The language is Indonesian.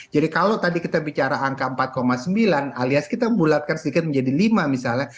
jadi kalau tadi kita bicara angka empat sembilan alias kita membulatkan sedikit menjadi lima misalnya